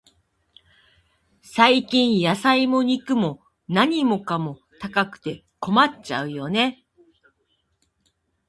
最近、野菜も肉も、何かも高くて困っちゃうよね。